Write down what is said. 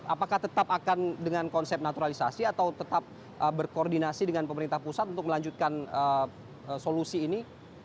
apakah tetap akan dengan konsep naturalisasi atau tetap berkoordinasi dengan pemerintah pusat untuk melanjutkan solusi ini